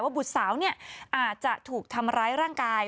ว่าบุษสาวอาจจะถูกทำร้ายร่างกาย